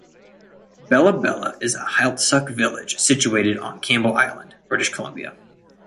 Bella Bella is a Heiltsuk village situated on Campbell Island, British Columbia.